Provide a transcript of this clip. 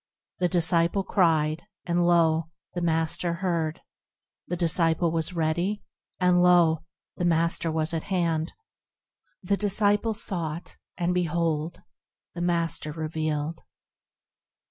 The disciple cried, and lo ! the Master heard; The disciple was ready, and lo ! the Master was at hand; The disciple sought, and behold ! the Master revealed.